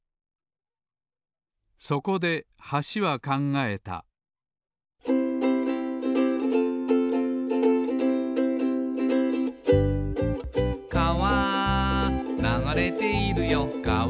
そこで橋は考えた「かわ流れているよかわ」